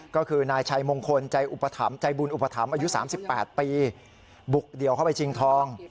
ก็คือนายชัยมงคลใจอุปถัมภ์ใจบุญอุปถัมภ์อายุ๓๘ปีบุกเดี่ยวเข้าไปชิงทอง